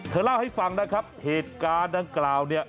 เธอเล่าให้ฟังนะครับเหตุการณ์ดังกล่าวเนี่ย